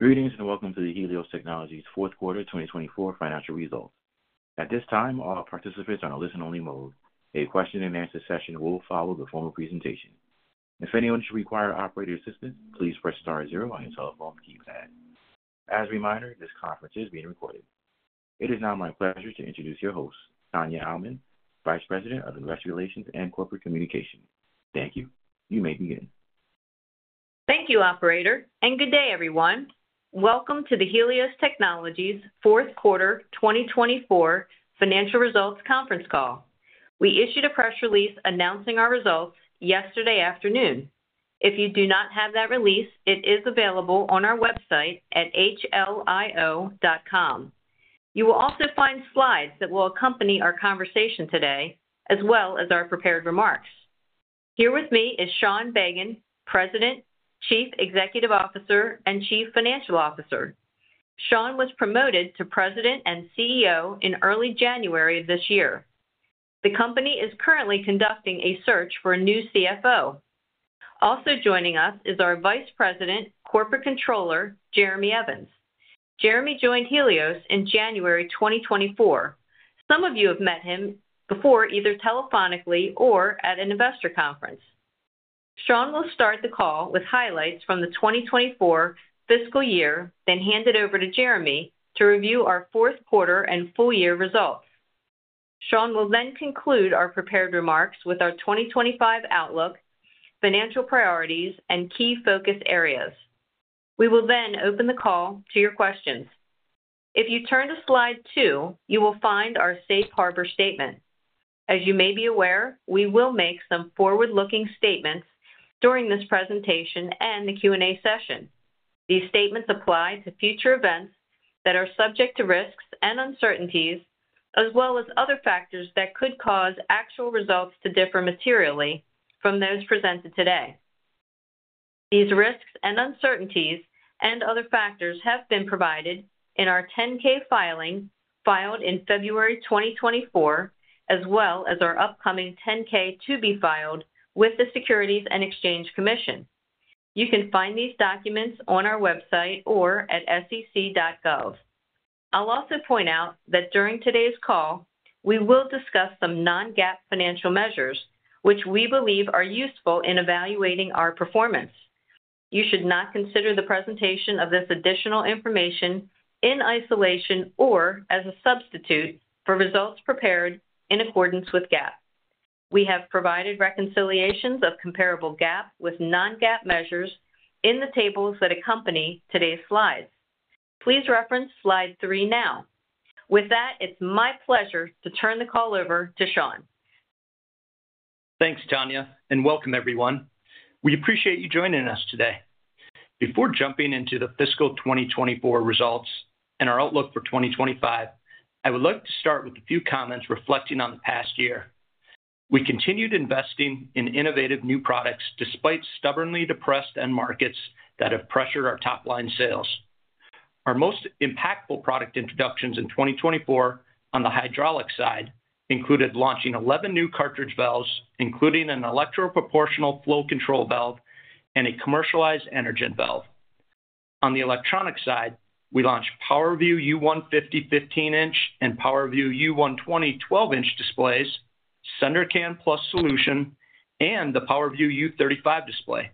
Greetings and welcome to the Helios Technologies Fourth Quarter 2024 Financial Results. At this time, all participants are in a listen-only mode. A question-and-answer session will follow the formal presentation. If anyone should require operator assistance, please press star zero on your telephone keypad. As a reminder, this conference is being recorded. It is now my pleasure to introduce your host, Tania Almond, Vice President of Investor Relations and Corporate Communication. Thank you. You may begin. Thank you, Operator, and good day, everyone. Welcome to the Helios Technologies Fourth Quarter 2024 Financial Results Conference Call. We issued a press release announcing our results yesterday afternoon. If you do not have that release, it is available on our website at hlio.com. You will also find slides that will accompany our conversation today, as well as our prepared remarks. Here with me is Sean Bagan, President, Chief Executive Officer, and Chief Financial Officer. Sean was promoted to President and CEO in early January of this year. The company is currently conducting a search for a new CFO. Also joining us is our Vice President, Corporate Controller, Jeremy Evans. Jeremy joined Helios in January 2024. Some of you have met him before either telephonically or at an investor conference. Sean will start the call with highlights from the 2024 Fiscal year, then hand it over to Jeremy to review our fourth quarter and Full-Year results. Sean will then conclude our prepared remarks with our 2025 outlook, financial priorities, and key focus areas. We will then open the call to your questions. If you turn to slide two, you will find our safe harbor statement. As you may be aware, we will make some forward-looking statements during this presentation and the Q&A session. These statements apply to future events that are subject to risks and uncertainties, as well as other factors that could cause actual results to differ materially from those presented today. These risks and uncertainties and other factors have been provided in our 10-K filing filed in February 2024, as well as our upcoming 10-K to be filed with the Securities and Exchange Commission. You can find these documents on our website or at sec.gov. I'll also point out that during today's call, we will discuss some non-GAAP financial measures, which we believe are useful in evaluating our performance. You should not consider the presentation of this additional information in isolation or as a substitute for results prepared in accordance with GAAP. We have provided reconciliations of comparable GAAP with non-GAAP measures in the tables that accompany today's slides. Please reference slide three now. With that, it's my pleasure to turn the call over to Sean. Thanks, Tania, and welcome, everyone. We appreciate you joining us today. Before jumping into the fiscal 2024 results and our outlook for 2025, I would like to start with a few comments reflecting on the past year. We continued investing in innovative new products despite stubbornly depressed end markets that have pressured our top-line sales. Our most impactful product introductions in 2024 on the hydraulic side included launching 11 new cartridge valves, including an electro-proportional flow control valve and a commercialized Energen valve. On the electronic side, we launched PowerView U150 15-inch and PowerView U120 12-inch displays, SenderCAN Plus solution, and the PowerView U35 display.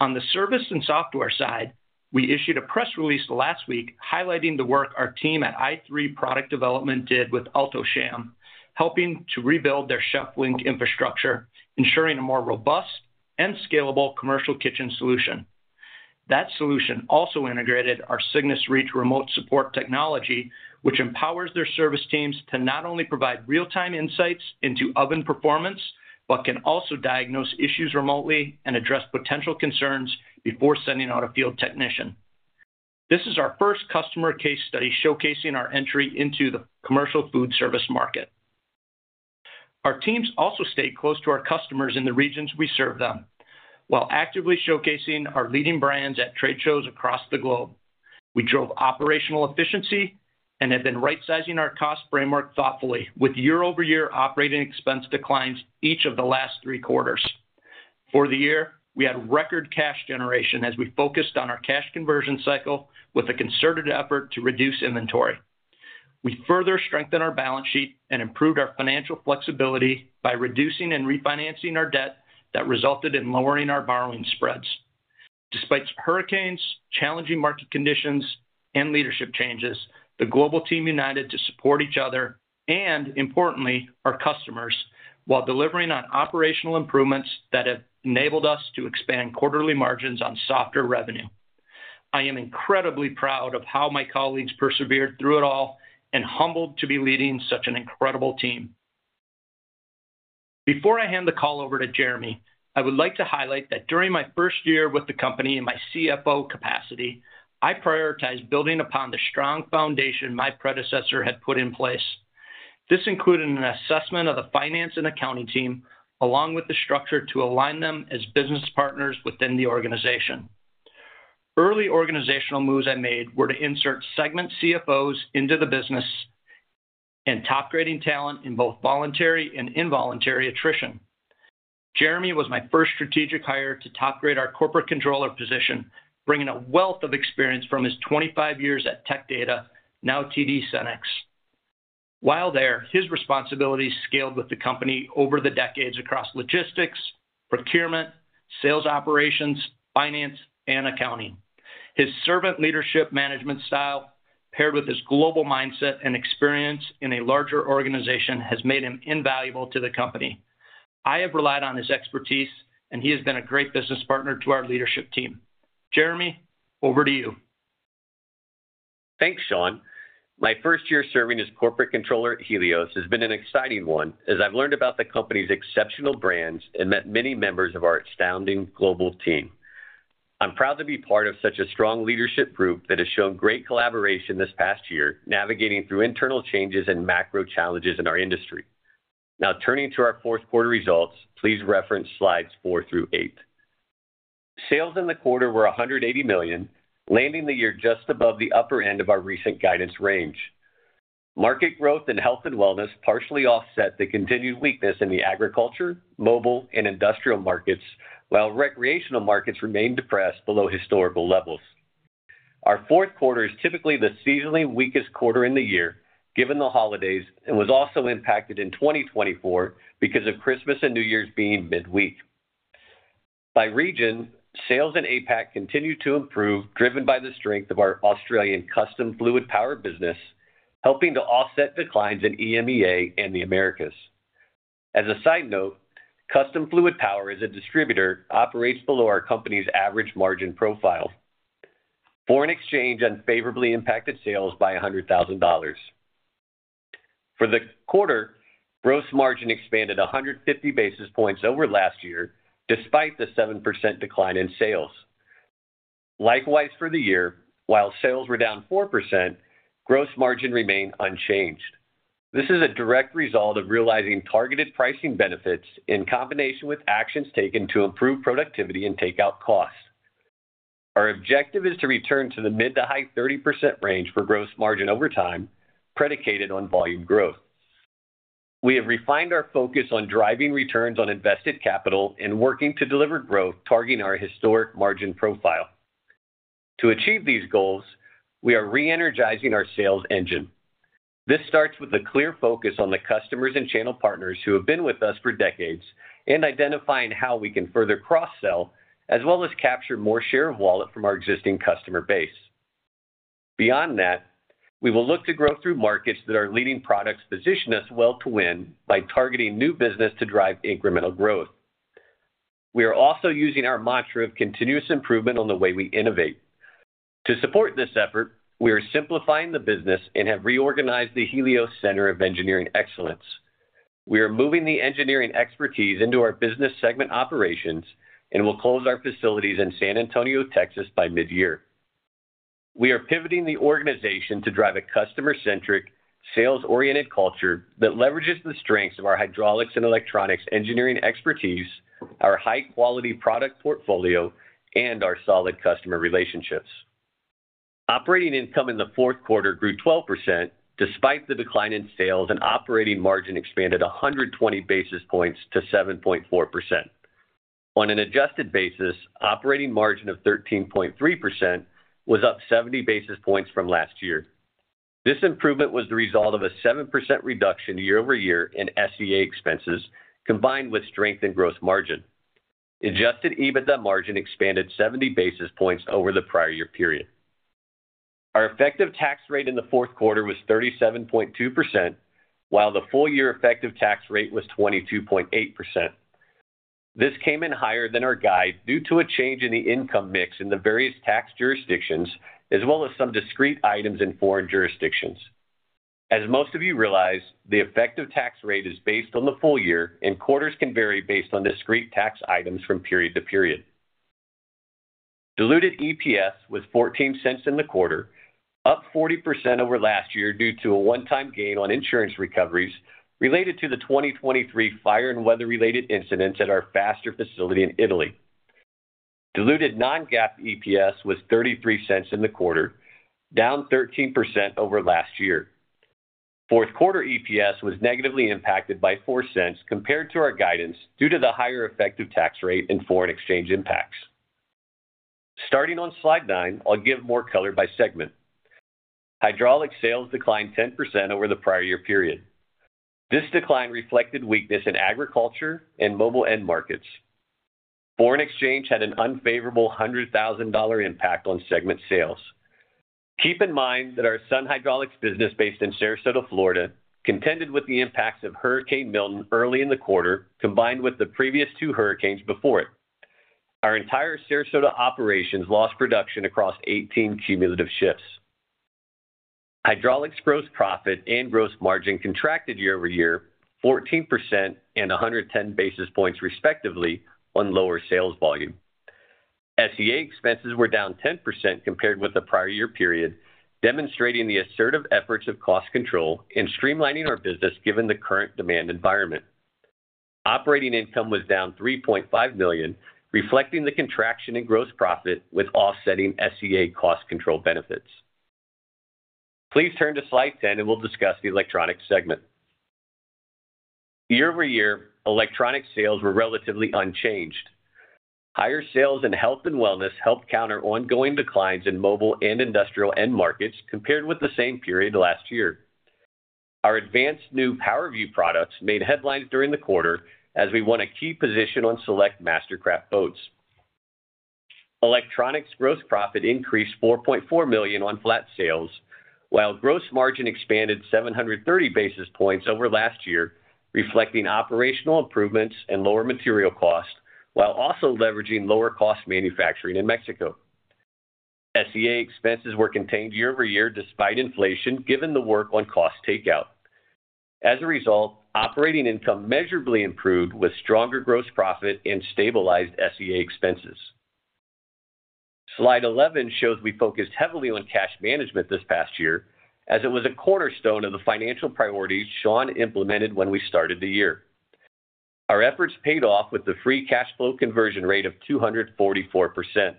On the service and software side, we issued a press release last week highlighting the work our team at i3 Product Development did with Alto-Shaam, helping to rebuild their ChefLinc infrastructure, ensuring a more robust and scalable commercial kitchen solution. That solution also integrated our Cygnus Reach remote support technology, which empowers their service teams to not only provide real-time insights into oven performance, but can also diagnose issues remotely and address potential concerns before sending out a field technician. This is our first customer case study showcasing our entry into the commercial food service market. Our teams also stayed close to our customers in the regions we serve them, while actively showcasing our leading brands at trade shows across the globe. We drove operational efficiency and have been right-sizing our cost framework thoughtfully with year-over-year operating expense declines each of the last three quarters. For the year, we had record cash generation as we focused on our cash conversion cycle with a concerted effort to reduce inventory. We further strengthened our balance sheet and improved our financial flexibility by reducing and refinancing our debt that resulted in lowering our borrowing spreads. Despite hurricanes, challenging market conditions, and leadership changes, the global team united to support each other and, importantly, our customers while delivering on operational improvements that have enabled us to expand quarterly margins on softer revenue. I am incredibly proud of how my colleagues persevered through it all and humbled to be leading such an incredible team. Before I hand the call over to Jeremy, I would like to highlight that during my first year with the company in my CFO capacity, I prioritized building upon the strong foundation my predecessor had put in place. This included an assessment of the finance and accounting team, along with the structure to align them as business partners within the organization. Early organizational moves I made were to insert segment CFOs into the business and top-grading talent in both voluntary and involuntary attrition. Jeremy was my first strategic hire to top-grade our corporate controller position, bringing a wealth of experience from his 25 years at Tech Data, now TD SYNNEX. While there, his responsibilities scaled with the company over the decades across logistics, procurement, sales operations, finance, and accounting. His servant leadership management style, paired with his global mindset and experience in a larger organization, has made him invaluable to the company. I have relied on his expertise, and he has been a great business partner to our leadership team. Jeremy, over to you. Thanks, Sean. My first year serving as Corporate Controller at Helios has been an exciting one as I've learned about the company's exceptional brands and met many members of our astounding global team. I'm proud to be part of such a strong leadership group that has shown great collaboration this past year, navigating through internal changes and macro challenges in our industry. Now, turning to our fourth quarter results, please reference slides four through eight. Sales in the quarter were $180 million, landing the year just above the upper end of our recent guidance range. Market growth and health and wellness partially offset the continued weakness in the agriculture, mobile, and industrial markets, while recreational markets remained depressed below historical levels. Our fourth quarter is typically the seasonally weakest quarter in the year, given the holidays, and was also impacted in 2024 because of Christmas and New Year's being midweek. By region, sales in APAC continued to improve, driven by the strength of our Australian Custom Fluid Power business, helping to offset declines in EMEA and the Americas. As a side note, Custom Fluid Power, as a distributor, operates below our company's average margin profile. Foreign exchange unfavorably impacted sales by $100,000. For the quarter, gross margin expanded 150 basis points over last year, despite the 7% decline in sales. Likewise, for the year, while sales were down 4%, gross margin remained unchanged. This is a direct result of realizing targeted pricing benefits in combination with actions taken to improve productivity and takeout costs. Our objective is to return to the mid- to high-30% range for gross margin over time, predicated on volume growth. We have refined our focus on driving returns on invested capital and working to deliver growth targeting our historic margin profile. To achieve these goals, we are re-energizing our sales engine. This starts with a clear focus on the customers and channel partners who have been with us for decades and identifying how we can further cross-sell, as well as capture more share of wallet from our existing customer base. Beyond that, we will look to grow through markets that our leading products position us well to win by targeting new business to drive incremental growth. We are also using our mantra of continuous improvement on the way we innovate. To support this effort, we are simplifying the business and have reorganized the Helios Center of Engineering Excellence. We are moving the engineering expertise into our business segment operations and will close our facilities in San Antonio, Texas, by mid-year. We are pivoting the organization to drive a customer-centric, sales-oriented culture that leverages the strengths of our hydraulics and electronics engineering expertise, our high-quality product portfolio, and our solid customer relationships. Operating income in the fourth quarter grew 12% despite the decline in sales, and operating margin expanded 120 basis points to 7.4%. On an adjusted basis, operating margin of 13.3% was up 70 basis points from last year. This improvement was the result of a 7% reduction year-over-year in SG&A expenses, combined with strength in gross margin. Adjusted EBITDA margin expanded 70 basis points over the prior year period. Our effective tax rate in the fourth quarter was 37.2%, while the Full-Year effective tax rate was 22.8%. This came in higher than our guide due to a change in the income mix in the various tax jurisdictions, as well as some discrete items in foreign jurisdictions. As most of you realize, the effective tax rate is based on the full year, and quarters can vary based on discrete tax items from period to period. Diluted EPS was $0.14 in the quarter, up 40% over last year due to a one-time gain on insurance recoveries related to the 2023 fire and weather-related incidents at our Faster facility in Italy. Diluted non-GAAP EPS was $0.33 in the quarter, down 13% over last year. Fourth quarter EPS was negatively impacted by $0.04 compared to our guidance due to the higher effective tax rate and foreign exchange impacts. Starting on slide nine, I'll give more color by segment. Hydraulic sales declined 10% over the prior year period. This decline reflected weakness in agriculture and mobile end markets. Foreign exchange had an unfavorable $100,000 impact on segment sales. Keep in mind that our Sun Hydraulics business based in Sarasota, Florida, contended with the impacts of Hurricane Milton early in the quarter, combined with the previous two hurricanes before it. Our entire Sarasota operations lost production across 18 cumulative shifts. Hydraulics gross profit and gross margin contracted year-over-year 14% and 110 basis points, respectively, on lower sales volume. SG&A expenses were down 10% compared with the prior year period, demonstrating the assertive efforts of cost control and streamlining our business given the current demand environment. Operating income was down $3.5 million, reflecting the contraction in gross profit with offsetting SG&A cost control benefits. Please turn to slide 10, and we'll discuss the electronics segment. Year-over-year, electronics sales were relatively unchanged. Higher sales in health and wellness helped counter ongoing declines in mobile and industrial end markets compared with the same period last year. Our advanced new PowerView products made headlines during the quarter as we won a key position on select MasterCraft boats. Electronics gross profit increased $4.4 million on flat sales, while gross margin expanded 730 basis points over last year, reflecting operational improvements and lower material costs, while also leveraging lower-cost manufacturing in Mexico. SG&A expenses were contained year-over-year despite inflation, given the work on cost takeout. As a result, operating income measurably improved with stronger gross profit and stabilized SG&A expenses. Slide 11 shows we focused heavily on cash management this past year, as it was a cornerstone of the financial priorities Sean implemented when we started the year. Our efforts paid off with the free cash flow conversion rate of 244%.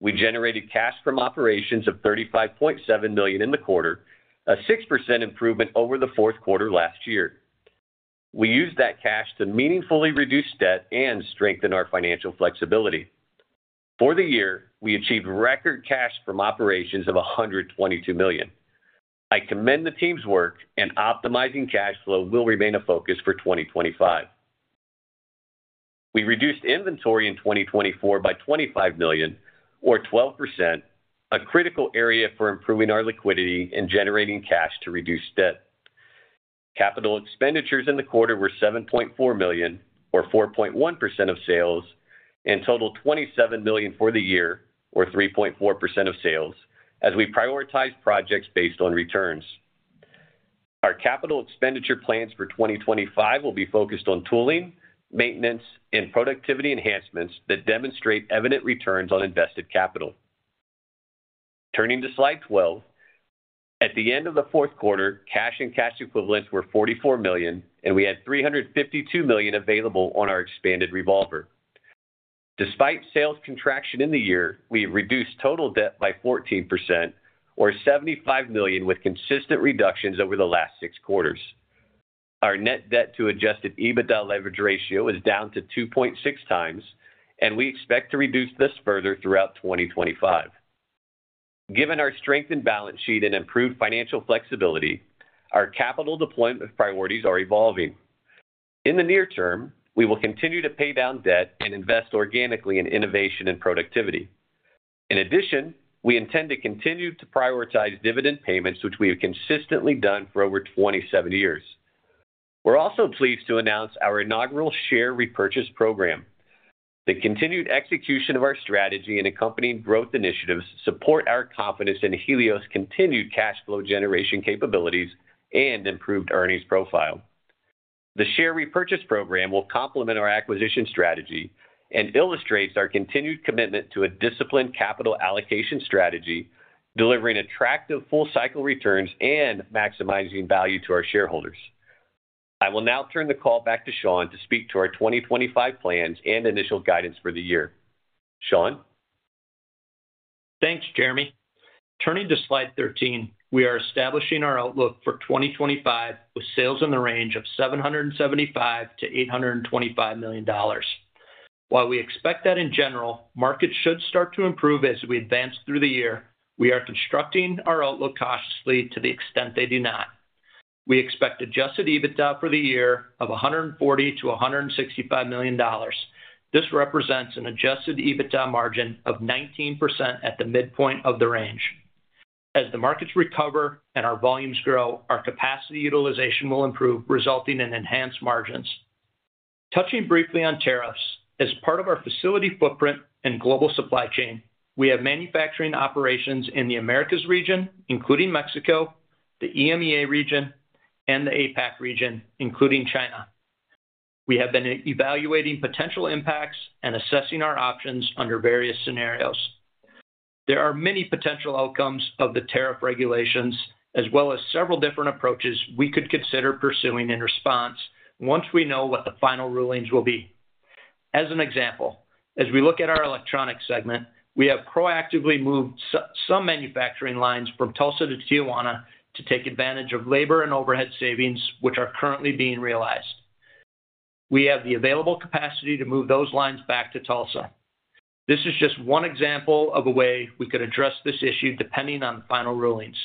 We generated cash from operations of $35.7 million in the quarter, a 6% improvement over the fourth quarter last year. We used that cash to meaningfully reduce debt and strengthen our financial flexibility. For the year, we achieved record cash from operations of $122 million. I commend the team's work, and optimizing cash flow will remain a focus for 2025. We reduced inventory in 2024 by $25 million, or 12%, a critical area for improving our liquidity and generating cash to reduce debt. Capital expenditures in the quarter were $7.4 million, or 4.1% of sales, and totaled $27 million for the year, or 3.4% of sales, as we prioritized projects based on returns. Our capital expenditure plans for 2025 will be focused on tooling, maintenance, and productivity enhancements that demonstrate evident returns on invested capital. Turning to slide 12, at the end of the fourth quarter, cash and cash equivalents were $44 million, and we had $352 million available on our expanded revolver. Despite sales contraction in the year, we reduced total debt by 14%, or $75 million, with consistent reductions over the last six quarters. Our net debt to Adjusted EBITDA leverage ratio is down to 2.6 times, and we expect to reduce this further throughout 2025. Given our strengthened balance sheet and improved financial flexibility, our capital deployment priorities are evolving. In the near term, we will continue to pay down debt and invest organically in innovation and productivity. In addition, we intend to continue to prioritize dividend payments, which we have consistently done for over 27 years. We're also pleased to announce our inaugural share repurchase program. The continued execution of our strategy and accompanying growth initiatives support our confidence in Helios' continued cash flow generation capabilities and improved earnings profile. The share repurchase program will complement our acquisition strategy and illustrates our continued commitment to a disciplined capital allocation strategy, delivering attractive full-cycle returns and maximizing value to our shareholders. I will now turn the call back to Sean to speak to our 2025 plans and initial guidance for the year. Sean? Thanks, Jeremy. Turning to slide 13, we are establishing our outlook for 2025 with sales in the range of $775-$825 million. While we expect that in general, markets should start to improve as we advance through the year, we are constructing our outlook cautiously to the extent they do not. We expect adjusted EBITDA for the year of $140-$165 million. This represents an adjusted EBITDA margin of 19% at the midpoint of the range. As the markets recover and our volumes grow, our capacity utilization will improve, resulting in enhanced margins. Touching briefly on tariffs, as part of our facility footprint and global supply chain, we have manufacturing operations in the Americas region, including Mexico, the EMEA region, and the APAC region, including China. We have been evaluating potential impacts and assessing our options under various scenarios. There are many potential outcomes of the tariff regulations, as well as several different approaches we could consider pursuing in response once we know what the final rulings will be. As an example, as we look at our electronics segment, we have proactively moved some manufacturing lines from Tulsa to Tijuana to take advantage of labor and overhead savings, which are currently being realized. We have the available capacity to move those lines back to Tulsa. This is just one example of a way we could address this issue depending on the final rulings.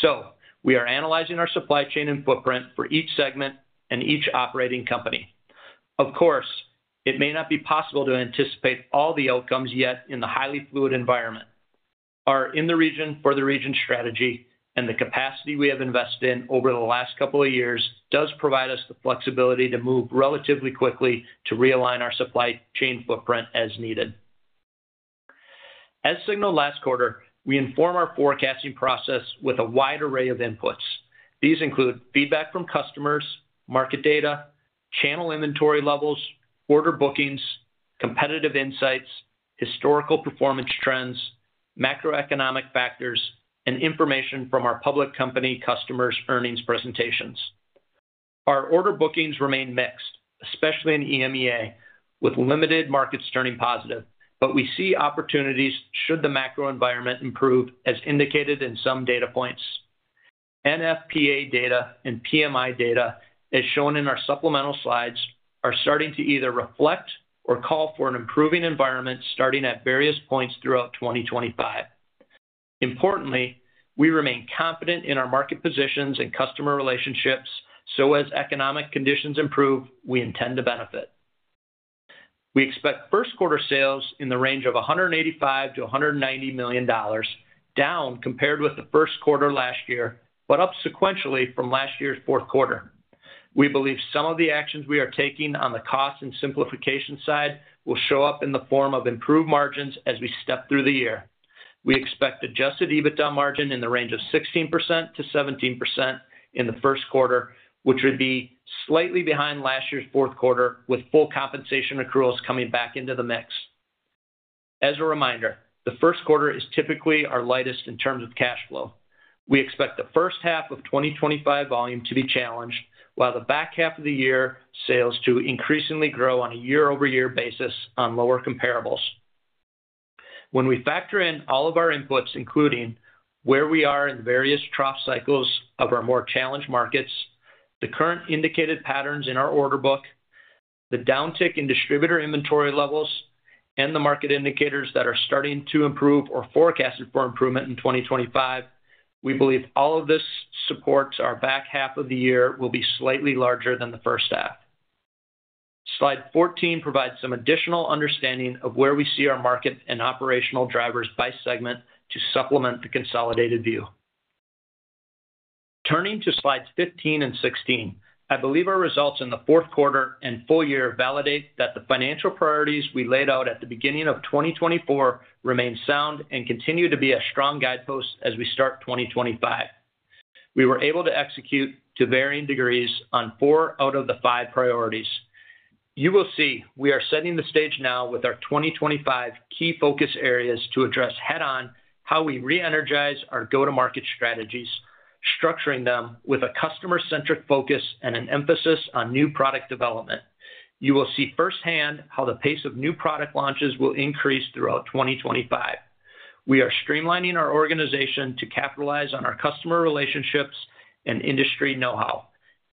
So we are analyzing our supply chain and footprint for each segment and each operating company. Of course, it may not be possible to anticipate all the outcomes yet in the highly fluid environment. Our in-the-region, for-the-region strategy and the capacity we have invested in over the last couple of years does provide us the flexibility to move relatively quickly to realign our supply chain footprint as needed. As signaled last quarter, we inform our forecasting process with a wide array of inputs. These include feedback from customers, market data, channel inventory levels, order bookings, competitive insights, historical performance trends, macroeconomic factors, and information from our public company customers' earnings presentations. Our order bookings remain mixed, especially in EMEA, with limited markets turning positive, but we see opportunities should the macro environment improve, as indicated in some data points. NFPA data and PMI data, as shown in our supplemental slides, are starting to either reflect or call for an improving environment starting at various points throughout 2025. Importantly, we remain confident in our market positions and customer relationships, so as economic conditions improve, we intend to benefit. We expect first-quarter sales in the range of $185-$190 million, down compared with the Q1 last year, but up sequentially from last year's fourth quarter. We believe some of the actions we are taking on the cost and simplification side will show up in the form of improved margins as we step through the year. We expect adjusted EBITDA margin in the range of 16%-17% in the Q1, which would be slightly behind last year's fourth quarter, with full compensation accruals coming back into the mix. As a reminder, the Q1 is typically our lightest in terms of cash flow. We expect the first half of 2025 volume to be challenged, while the back half of the year sales to increasingly grow on a year-over-year basis on lower comparables. When we factor in all of our inputs, including where we are in various trough cycles of our more challenged markets, the current indicated patterns in our order book, the downtick in distributor inventory levels, and the market indicators that are starting to improve or forecasted for improvement in 2025, we believe all of this supports our back half of the year will be slightly larger than the first half. Slide 14 provides some additional understanding of where we see our market and operational drivers by segment to supplement the consolidated view. Turning to slides 15 and 16, I believe our results in the fourth quarter and full year validate that the financial priorities we laid out at the beginning of 2024 remain sound and continue to be a strong guidepost as we start 2025. We were able to execute to varying degrees on four out of the five priorities. You will see we are setting the stage now with our 2025 key focus areas to address head-on how we re-energize our go-to-market strategies, structuring them with a customer-centric focus and an emphasis on new product development. You will see firsthand how the pace of new product launches will increase throughout 2025. We are streamlining our organization to capitalize on our customer relationships and industry know-how.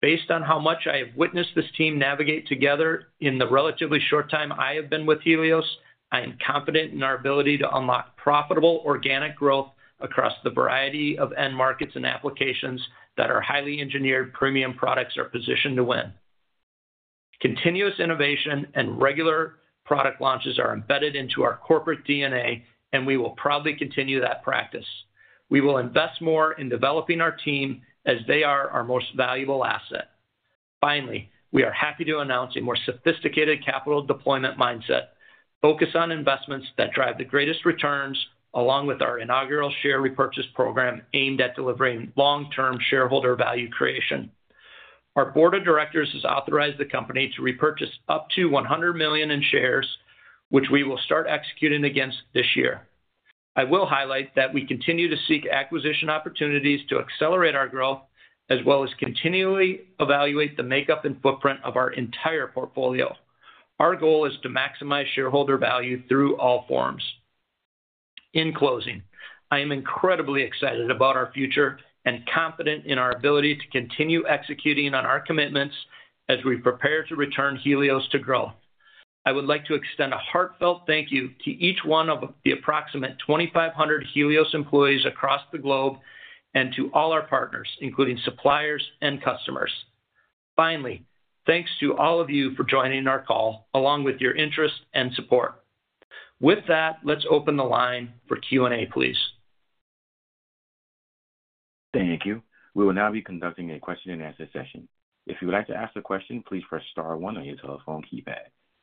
Based on how much I have witnessed this team navigate together in the relatively short time I have been with Helios, I am confident in our ability to unlock profitable organic growth across the variety of end markets and applications that our highly engineered premium products are positioned to win. Continuous innovation and regular product launches are embedded into our corporate DNA, and we will probably continue that practice. We will invest more in developing our team as they are our most valuable asset. Finally, we are happy to announce a more sophisticated capital deployment mindset, focused on investments that drive the greatest returns, along with our inaugural share repurchase program aimed at delivering long-term shareholder value creation. Our board of directors has authorized the company to repurchase up to $100 million in shares, which we will start executing against this year. I will highlight that we continue to seek acquisition opportunities to accelerate our growth, as well as continually evaluate the makeup and footprint of our entire portfolio. Our goal is to maximize shareholder value through all forms. In closing, I am incredibly excited about our future and confident in our ability to continue executing on our commitments as we prepare to return Helios to growth. I would like to extend a heartfelt thank you to each one of the approximate 2,500 Helios employees across the globe and to all our partners, including suppliers and customers. Finally, thanks to all of you for joining our call, along with your interest and support. With that, let's open the line for Q&A, please. Thank you. We will now be conducting a question-and-answer session. If you would like to ask a question, please press Star 1 on your telephone keypad.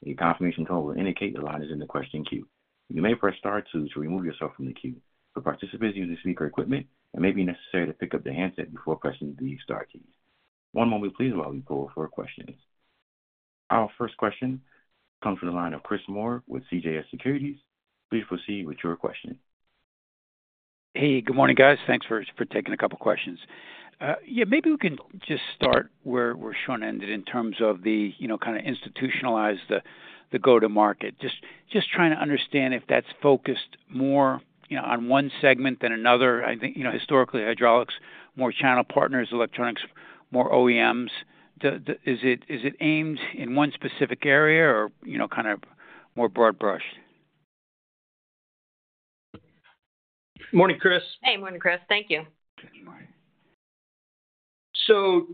A confirmation code will indicate the line is in the question queue. You may press Star 2 to remove yourself from the queue. For participants using speaker equipment, it may be necessary to pick up the handset before pressing the Star keys. One moment, please, while we pull for questions. Our first question comes from the line of Chris Moore with CJS Securities. Please proceed with your question. Hey, good morning, guys. Thanks for taking a couple of questions. Yeah, maybe we can just start where Sean ended in terms of the kind of institutionalized the go-to-market. Just trying to understand if that's focused more on one segment than another. I think historically, hydraulics, more channel partners, electronics, more OEMs. Is it aimed in one specific area or kind of more broad brushed? Morning, Chris. Hey, morning, Chris. Thank you. Morning. So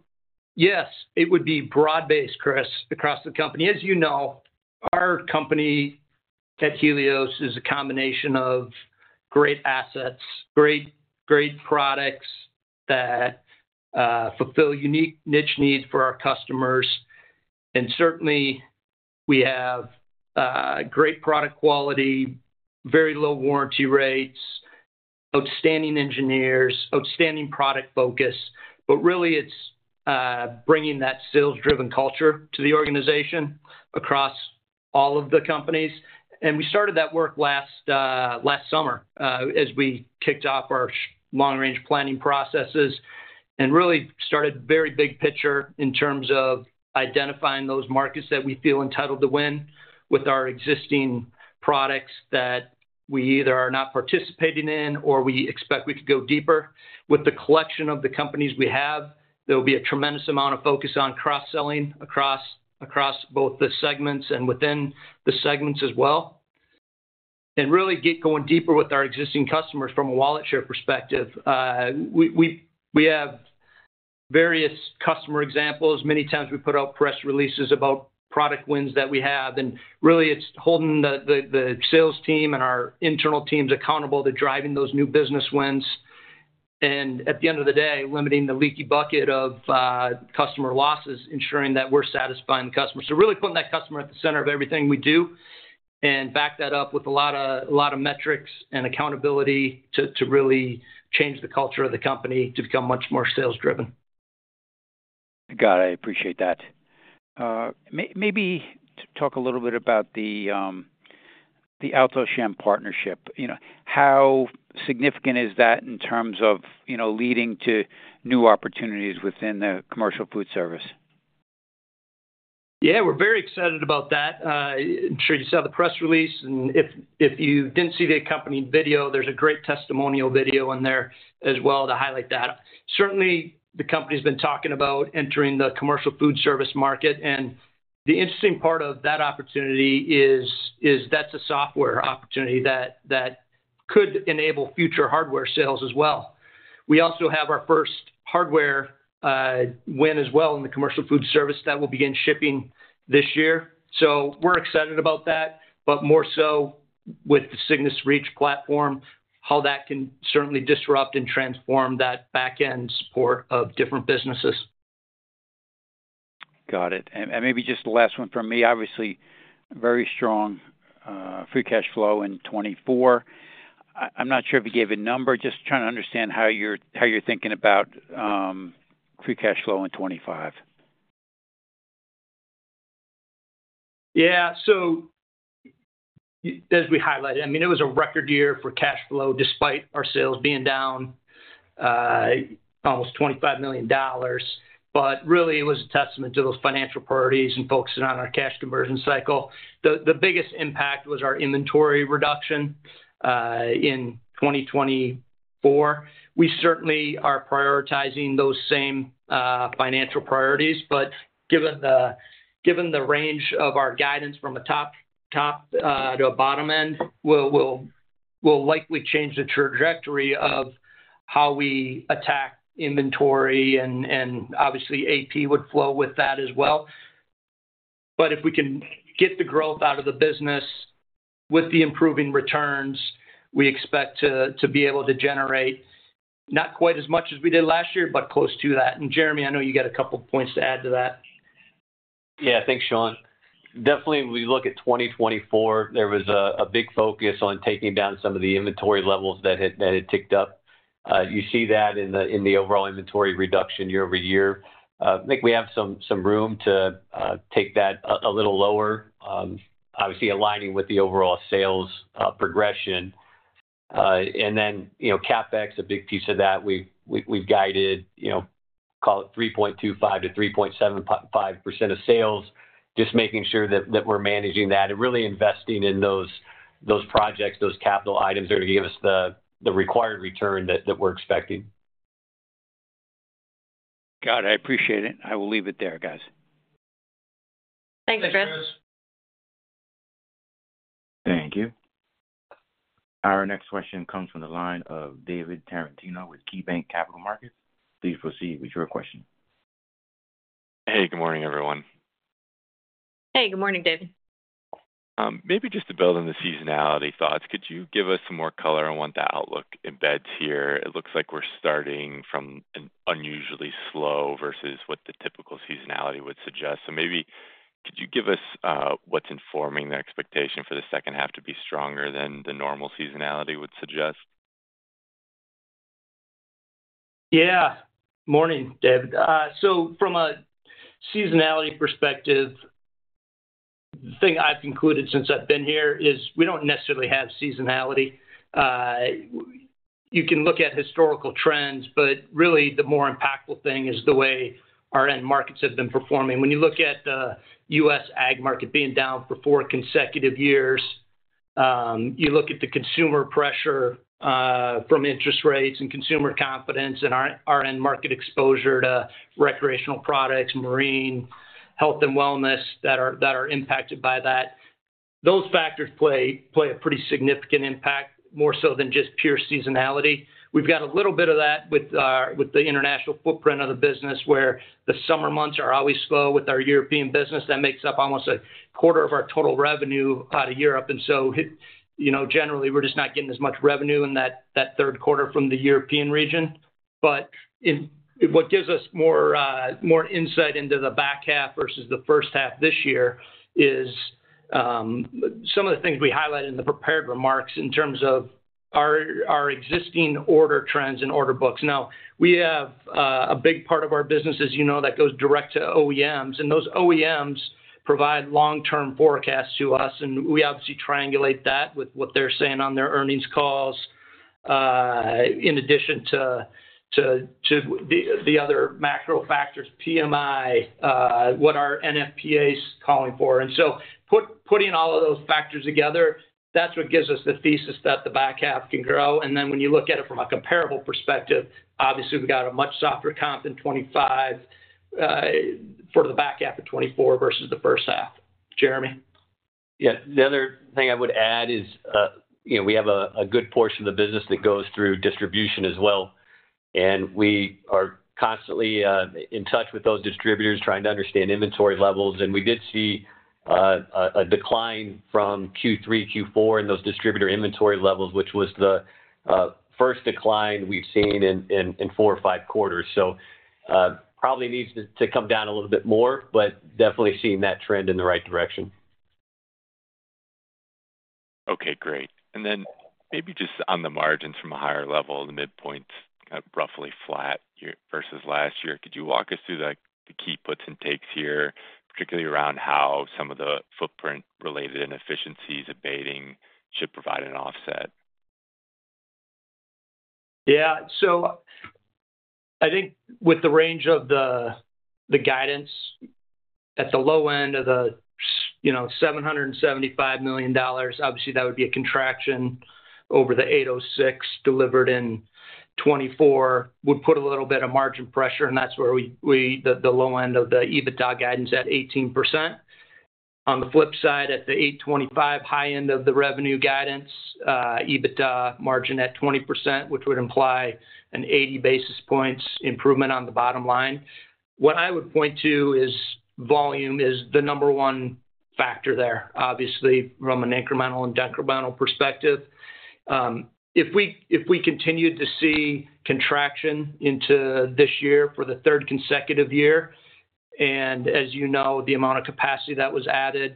yes, it would be broad-based, Chris, across the company. As you know, our company at Helios is a combination of great assets, great products that fulfill unique niche needs for our customers. And certainly, we have great product quality, very low warranty rates, outstanding engineers, outstanding product focus. But really, it's bringing that sales-driven culture to the organization across all of the companies. And we started that work last summer as we kicked off our long-range planning processes and really started very big picture in terms of identifying those markets that we feel entitled to win with our existing products that we either are not participating in or we expect we could go deeper. With the collection of the companies we have, there will be a tremendous amount of focus on cross-selling across both the segments and within the segments as well. And really get going deeper with our existing customers from a wallet share perspective. We have various customer examples. Many times we put out press releases about product wins that we have. And really, it's holding the sales team and our internal teams accountable to driving those new business wins. And at the end of the day, limiting the leaky bucket of customer losses, ensuring that we're satisfying the customer. So really putting that customer at the center of everything we do and back that up with a lot of metrics and accountability to really change the culture of the company to become much more sales-driven. Got it. I appreciate that. Maybe talk a little bit about the Alto-Shaam partnership. How significant is that in terms of leading to new opportunities within the commercial food service? Yeah, we're very excited about that. I'm sure you saw the press release. And if you didn't see the accompanying video, there's a great testimonial video in there as well to highlight that. Certainly, the company has been talking about entering the commercial food service market. And the interesting part of that opportunity is that's a software opportunity that could enable future hardware sales as well. We also have our first hardware win as well in the commercial food service that will begin shipping this year. So we're excited about that, but more so with the Cygnus Reach platform, how that can certainly disrupt and transform that back-end support of different businesses. Got it. And maybe just the last one from me. Obviously, very strong free cash flow in 2024. I'm not sure if you gave a number. Just trying to understand how you're thinking about free cash flow in 2025. Yeah. So as we highlighted, I mean, it was a record year for cash flow despite our sales being down almost $25 million. But really, it was a testament to those financial priorities and focusing on our cash conversion cycle. The biggest impact was our inventory reduction in 2024. We certainly are prioritizing those same financial priorities, but given the range of our guidance from a top to a bottom end, we'll likely change the trajectory of how we attack inventory. And obviously, AP would flow with that as well. But if we can get the growth out of the business with the improving returns, we expect to be able to generate not quite as much as we did last year, but close to that. And Jeremy, I know you got a couple of points to add to that. Yeah, thanks, Sean. Definitely, when we look at 2024, there was a big focus on taking down some of the inventory levels that had ticked up. You see that in the overall inventory reduction year over year. I think we have some room to take that a little lower, obviously aligning with the overall sales progression, and then CapEx, a big piece of that. We've guided, call it 3.25%-3.75% of sales, just making sure that we're managing that and really investing in those projects, those capital items that are going to give us the required return that we're expecting. Got it. I appreciate it. I will leave it there, guys. Thanks, Chris. Thanks, Chris. Thank you. Our next question comes from the line of David Tarantino with KeyBanc Capital Markets. Please proceed with your question. Hey, good morning, everyone. Hey, good morning, David. Maybe just to build on the seasonality thoughts, could you give us some more color on what the outlook embeds here? It looks like we're starting from an unusually slow versus what the typical seasonality would suggest. So maybe could you give us what's informing the expectation for the second half to be stronger than the normal seasonality would suggest? Yeah. Morning, David. So from a seasonality perspective, the thing I've concluded since I've been here is we don't necessarily have seasonality. You can look at historical trends, but really the more impactful thing is the way our end markets have been performing. When you look at the U.S. ag market being down for four consecutive years, you look at the consumer pressure from interest rates and consumer confidence and our end market exposure to recreational products, marine, health, and wellness that are impacted by that. Those factors play a pretty significant impact, more so than just pure seasonality. We've got a little bit of that with the international footprint of the business where the summer months are always slow with our European business. That makes up almost a quarter of our total revenue out of Europe. And so generally, we're just not getting as much revenue in that third quarter from the European region. But what gives us more insight into the back half versus the first half this year is some of the things we highlighted in the prepared remarks in terms of our existing order trends and order books. Now, we have a big part of our business, as you know, that goes direct to OEMs. And those OEMs provide long-term forecasts to us. And we obviously triangulate that with what they're saying on their earnings calls, in addition to the other macro factors, PMI, what our NFPA is calling for. And so putting all of those factors together, that's what gives us the thesis that the back half can grow. And then when you look at it from a comparable perspective, obviously, we've got a much softer comp in 2025 for the back half of 2024 versus the first half. Jeremy? Yeah. The other thing I would add is we have a good portion of the business that goes through distribution as well. And we are constantly in touch with those distributors trying to understand inventory levels. And we did see a decline from Q3, Q4 in those distributor inventory levels, which was the first decline we've seen in four or five quarters. So probably needs to come down a little bit more, but definitely seeing that trend in the right direction. Okay, great. And then maybe just on the margins from a higher level, the midpoint, roughly flat versus last year. Could you walk us through the key puts and takes here, particularly around how some of the footprint-related inefficiencies abating should provide an offset? Yeah. So I think with the range of the guidance at the low end of the $775 million, obviously, that would be a contraction over the $806 million delivered in 2024, which would put a little bit of margin pressure. And that's where the low end of the EBITDA guidance at 18%. On the flip side, at the $825 million high end of the revenue guidance, EBITDA margin at 20%, which would imply an 80 basis points improvement on the bottom line. What I would point to is volume is the number one factor there, obviously, from an incremental and decremental perspective. If we continue to see contraction into this year for the third consecutive year, and as you know, the amount of capacity that was added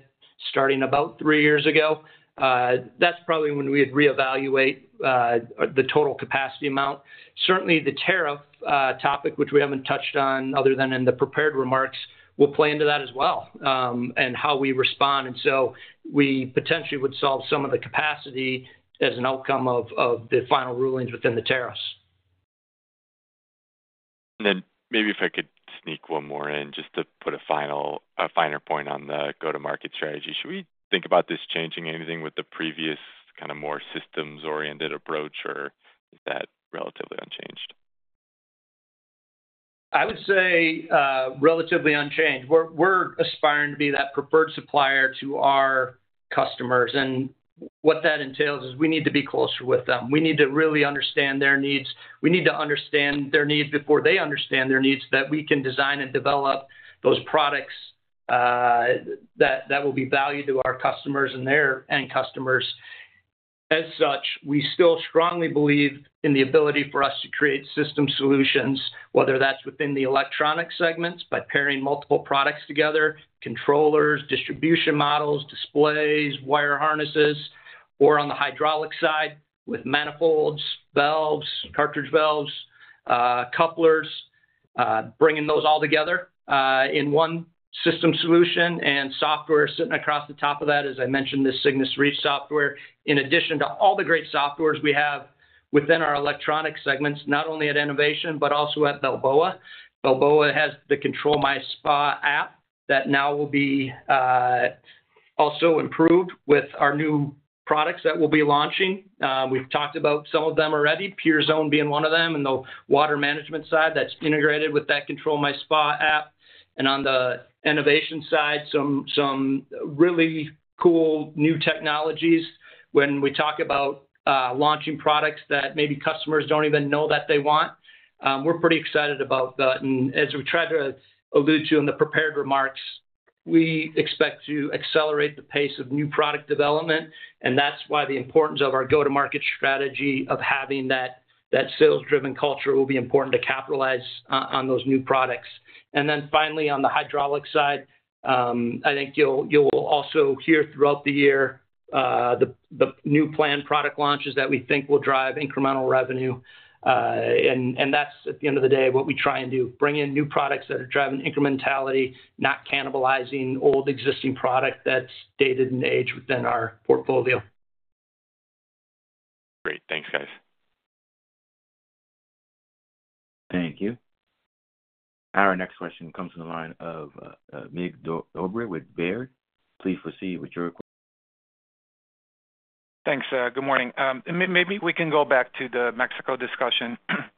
starting about three years ago, that's probably when we would reevaluate the total capacity amount. Certainly, the tariff topic, which we haven't touched on other than in the prepared remarks, will play into that as well and how we respond. And so we potentially would solve some of the capacity as an outcome of the final rulings within the tariffs. And then maybe if I could sneak one more in just to put a finer point on the go-to-market strategy. Should we think about this changing anything with the previous kind of more systems-oriented approach, or is that relatively unchanged? I would say relatively unchanged. We're aspiring to be that preferred supplier to our customers. And what that entails is we need to be closer with them. We need to really understand their needs. We need to understand their needs before they understand their needs so that we can design and develop those products that will be valued to our customers and their end customers. As such, we still strongly believe in the ability for us to create system solutions, whether that's within the electronic segments by pairing multiple products together, controllers, distribution models, displays, wire harnesses, or on the hydraulic side with manifolds, valves, cartridge valves, couplers, bringing those all together in one system solution and software sitting across the top of that, as I mentioned, the Cygnus Reach software, in addition to all the great softwares we have within our electronic segments, not only at Enovation, but also at Balboa. Balboa has the ControlMySpa app that now will be also improved with our new products that we'll be launching. We've talked about some of them already, PureZone being one of them, and the water management side that's integrated with that ControlMySpa app. And on the Enovation side, some really cool new technologies when we talk about launching products that maybe customers don't even know that they want. We're pretty excited about that. And as we tried to allude to in the prepared remarks, we expect to accelerate the pace of new product development. And that's why the importance of our go-to-market strategy of having that sales-driven culture will be important to capitalize on those new products. And then finally, on the hydraulic side, I think you'll also hear throughout the year the new planned product launches that we think will drive incremental revenue. And that's, at the end of the day, what we try and do, bring in new products that are driving incrementality, not cannibalizing old existing product that's dated and aged within our portfolio. Great. Thanks, guys. Thank you. Our next question comes from the line of Mig Dobre with Baird. Please proceed with your question. Thanks. Good morning. Maybe we can go back to the Mexico discussion.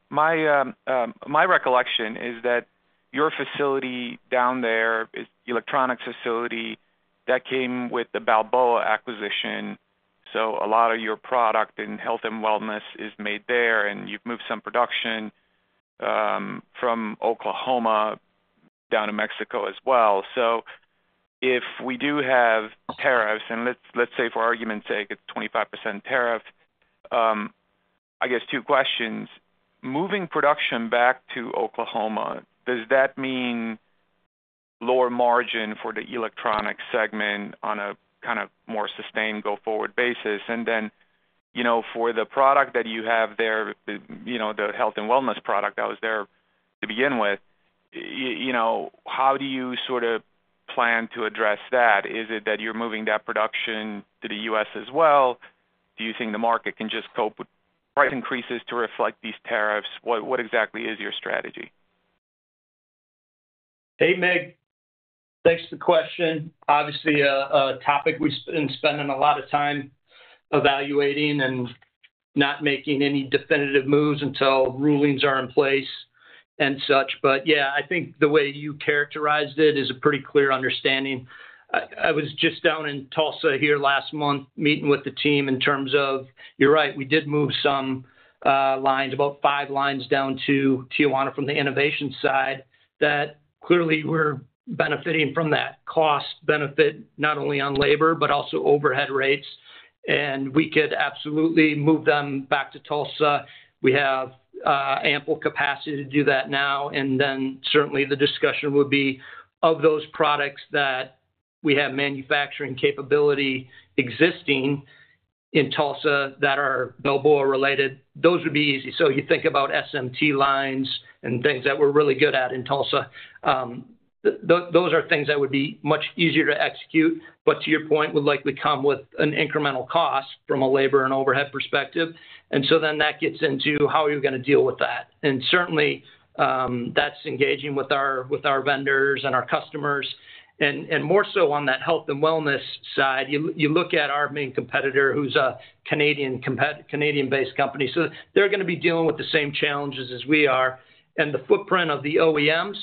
My recollection is that your facility down there is an electronics facility that came with the Balboa acquisition. So a lot of your product and health and wellness is made there. And you've moved some production from Oklahoma down to Mexico as well. So if we do have tariffs, and let's say for argument's sake, it's 25% tariff, I guess two questions. Moving production back to Oklahoma, does that mean lower margin for the electronic segment on a kind of more sustained go-forward basis? And then for the product that you have there, the health and wellness product that was there to begin with, how do you sort of plan to address that? Is it that you're moving that production to the U.S. as well? Do you think the market can just cope with price increases to reflect these tariffs? What exactly is your strategy? Hey, Mig. Thanks for the question. Obviously, a topic we've been spending a lot of time evaluating and not making any definitive moves until rulings are in place and such. But yeah, I think the way you characterized it is a pretty clear understanding. I was just down in Tulsa here last month meeting with the team in terms of, you're right, we did move some lines, about five lines down to Tijuana from the Enovation side. That clearly we're benefiting from that cost benefit, not only on labor, but also overhead rates. And we could absolutely move them back to Tulsa. We have ample capacity to do that now. And then certainly the discussion would be of those products that we have manufacturing capability existing in Tulsa that are Balboa related. Those would be easy. So you think about SMT lines and things that we're really good at in Tulsa. Those are things that would be much easier to execute, but to your point, would likely come with an incremental cost from a labor and overhead perspective. And so then that gets into how are you going to deal with that? And certainly, that's engaging with our vendors and our customers. And more so on that health and wellness side, you look at our main competitor, who's a Canadian-based company. So they're going to be dealing with the same challenges as we are. And the footprint of the OEMs,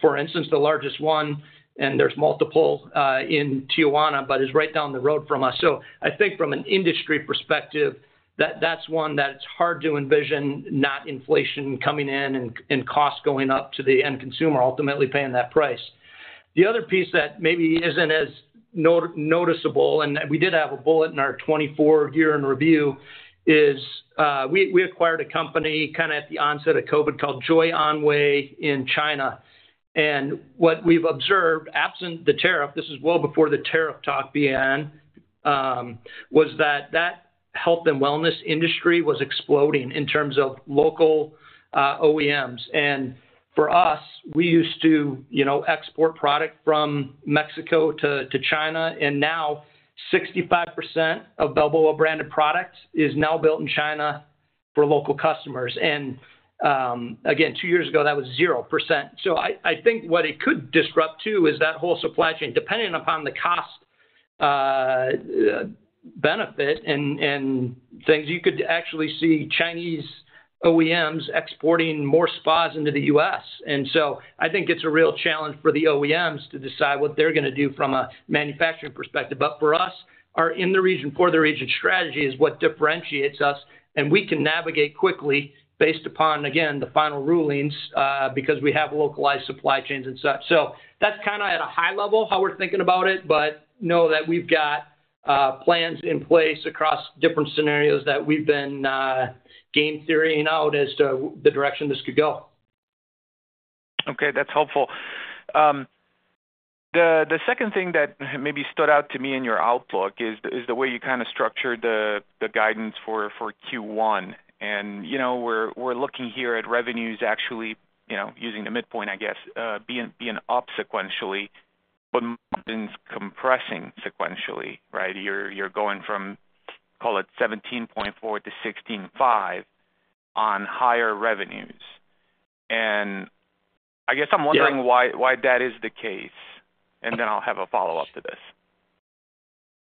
for instance, the largest one, and there's multiple in Tijuana, but is right down the road from us. I think from an industry perspective, that's one that it's hard to envision not inflation coming in and cost going up to the end consumer ultimately paying that price. The other piece that maybe isn't as noticeable, and we did have a bullet in our 2024 year in review, is we acquired a company kind of at the onset of COVID called Joyonway in China. And what we've observed, absent the tariff, this is well before the tariff talk began, was that the health and wellness industry was exploding in terms of local OEMs. And for us, we used to export product from Mexico to China. And now 65% of Balboa branded products is now built in China for local customers. And again, two years ago, that was 0%. So I think what it could disrupt too is that whole supply chain, depending upon the cost benefit and things, you could actually see Chinese OEMs exporting more spas into the U.S. And so I think it's a real challenge for the OEMs to decide what they're going to do from a manufacturing perspective. But for us, our in the region for the region strategy is what differentiates us. And we can navigate quickly based upon, again, the final rulings because we have localized supply chains and such. So that's kind of at a high level how we're thinking about it, but know that we've got plans in place across different scenarios that we've been game theorying out as to the direction this could go. Okay. That's helpful. The second thing that maybe stood out to me in your outlook is the way you kind of structured the guidance for Q1. And we're looking here at revenues actually using the midpoint, I guess, being up sequentially, but margins compressing sequentially, right? You're going from, call it 17.4% to 16.5% on higher revenues. And I guess I'm wondering why that is the case. And then I'll have a follow-up to this.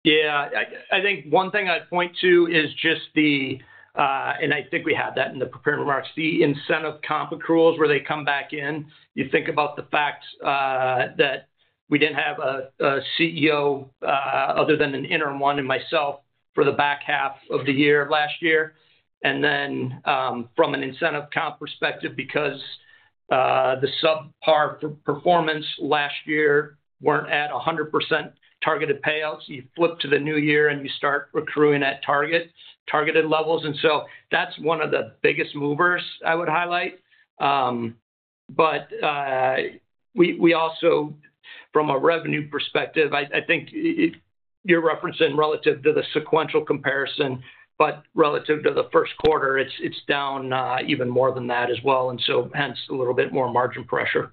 Yeah. I think one thing I'd point to is just the, and I think we had that in the prepared remarks, the incentive comp accruals where they come back in. You think about the fact that we didn't have a CEO other than an interim one and myself for the back half of the year last year. And then from an incentive comp perspective, because the subpar performance last year weren't at 100% targeted payouts, you flip to the new year and you start accruing at targeted levels. And so that's one of the biggest movers I would highlight. But we also, from a revenue perspective, I think you're referencing relative to the sequential comparison, but relative to the first quarter, it's down even more than that as well. And so hence a little bit more margin pressure.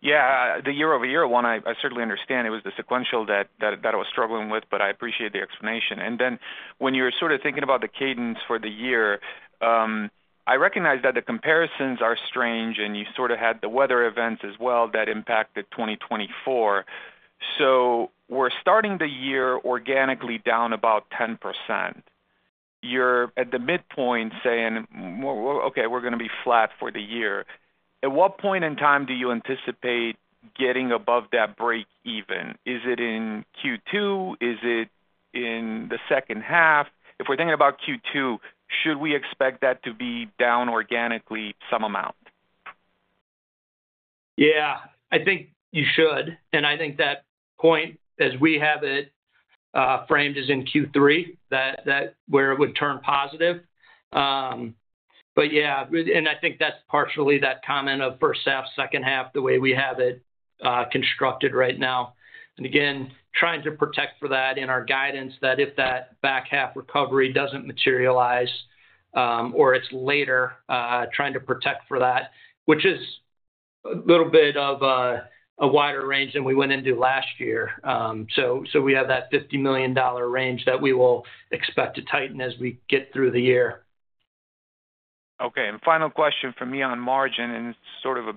Yeah. The year-over-year one, I certainly understand it was the sequential that I was struggling with, but I appreciate the explanation. And then when you're sort of thinking about the cadence for the year, I recognize that the comparisons are strange and you sort of had the weather events as well that impacted 2024. So we're starting the year organically down about 10%. You're at the midpoint saying, "Okay, we're going to be flat for the year." At what point in time do you anticipate getting above that break even? Is it in Q2? Is it in the second half? If we're thinking about Q2, should we expect that to be down organically some amount? Yeah. I think you should. And I think that point, as we have it framed, is in Q3 where it would turn positive. But yeah, and I think that's partially that comment of first half, second half, the way we have it constructed right now. And again, trying to protect for that in our guidance that if that back half recovery doesn't materialize or it's later, trying to protect for that, which is a little bit of a wider range than we went into last year. So we have that $50 million range that we will expect to tighten as we get through the year. Okay. And final question for me on margin, and it's sort of a,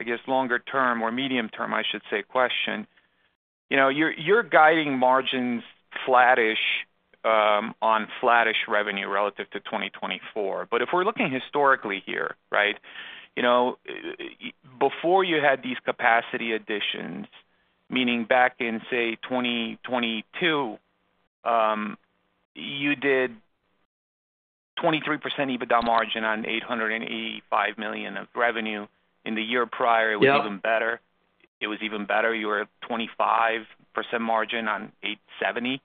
I guess, longer term or medium term, I should say, question. You're guiding margins on flattish revenue relative to 2024. But if we're looking historically here, right, before you had these capacity additions, meaning back in, say, 2022, you did 23% EBITDA margin on $885 million of revenue. In the year prior, it was even better. It was even better. You were at 25% margin on $870 million.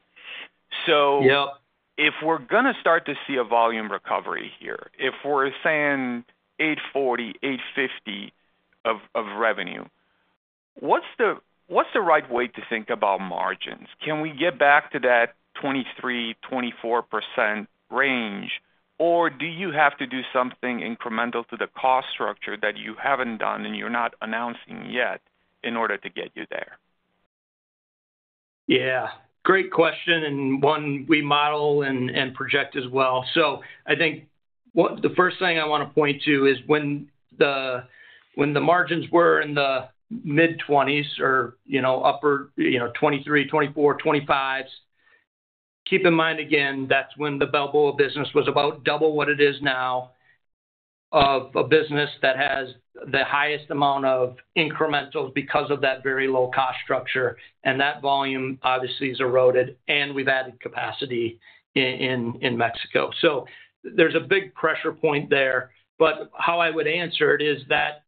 So if we're going to start to see a volume recovery here, if we're saying $840 million-$850 million of revenue, what's the right way to think about margins? Can we get back to that 23%-24% range, or do you have to do something incremental to the cost structure that you haven't done and you're not announcing yet in order to get you there? Yeah. Great question and one we model and project as well. So I think the first thing I want to point to is when the margins were in the mid-20s% or upper 23s, 24s, 25s%. Keep in mind again, that's when the Balboa business was about double what it is now of a business that has the highest amount of incrementals because of that very low cost structure. And that volume obviously is eroded, and we've added capacity in Mexico. So there's a big pressure point there. But how I would answer it is that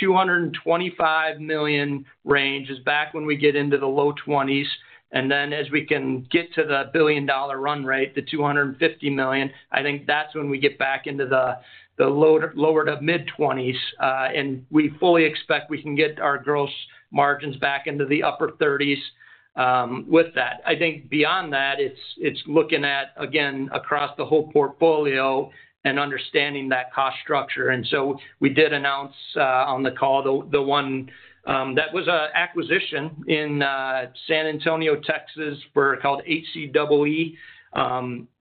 $225 million range is back when we get into the low 20s%. And then as we can get to the $1 billion run rate, the $250 million, I think that's when we get back into the lower to mid-20s%. And we fully expect we can get our gross margins back into the upper 30s% with that. I think beyond that, it's looking at, again, across the whole portfolio and understanding that cost structure, and so we did announce on the call the one that was an acquisition in San Antonio, Texas, called HCEE,